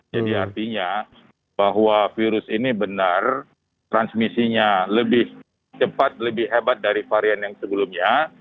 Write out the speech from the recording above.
jadi artinya bahwa virus ini benar transmisinya lebih cepat lebih hebat dari varian yang sebelumnya